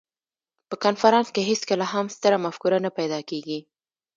په کنفرانس کې هېڅکله هم ستره مفکوره نه پیدا کېږي.